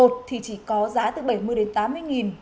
thì chỉ có giá từ bảy mươi đến tám mươi nghìn